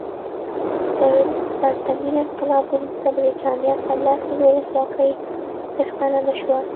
تر پرتمین انقلاب وروسته برېټانیا سملاسي د ولسواکۍ څښتنه نه شوه.